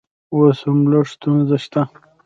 اوس هم لږ ستونزه شته